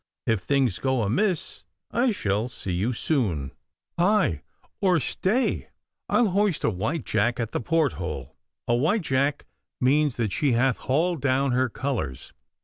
If things go amiss I shall see you soon.' 'Aye or stay! I'll hoist a white jack at the port hole. A white jack means that she hath hauled down her colours.